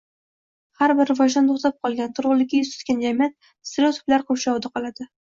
Har bir rivojdan to‘xtab qolgan, turg‘unlikka yuz tutgan jamiyat stereotiplar qurshovida qoladi.